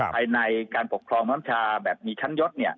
ในการปกครองน้ำชาแบบมีชั้นยศ